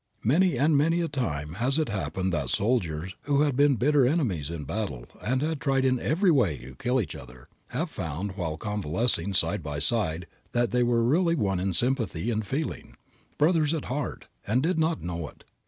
Many and many a time has it happened that soldiers who had been bitter enemies in battle and had tried in every way to kill each other, have found while convalescing side by side that they were really one in sympathy and feeling, brothers at heart and did not know it.